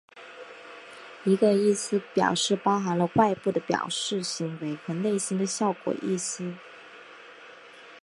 一个意思表示包含了外部的表示行为和内心的效果意思。